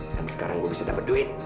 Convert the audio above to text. dan sekarang gue bisa dapet duit